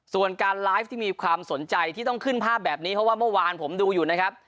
ส่วนการไลฟ์ที่มีความสนใจที่ต้องขึ้นภาพแบบนี้เพราะว่าเมื่อวานผมดูอยู่นะครับ